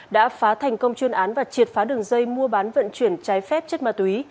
đã phá thành công chuyên án và triệt phá đường dây mua bán vận chuyển trái phép chất ma túy